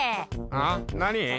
「ん？何？」